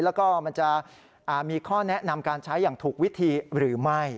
แล้วก็มันจะมีข้อแนะนำการใช้อย่างถูกวิธีหรือไม่